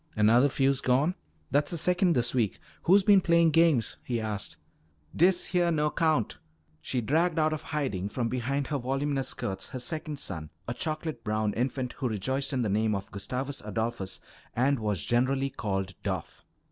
"Another fuse gone? That's the second this week. Who's been playing games?" he asked. "Dis heah no 'count!" She dragged out of hiding from behind her voluminous skirts her second son, a chocolate brown infant who rejoiced in the name of Gustavus Adolphus and was generally called "Doff."